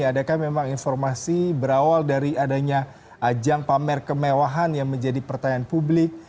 adakah memang informasi berawal dari adanya ajang pamer kemewahan yang menjadi pertanyaan publik